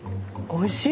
おいしい！